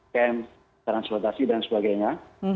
camp transportasi dan sebagainya